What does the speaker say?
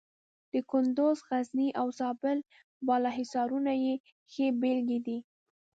د کندز، غزني او زابل بالا حصارونه یې ښې بېلګې دي.